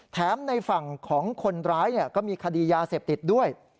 ในฝั่งของคนร้ายก็มีคดียาเสพติดด้วย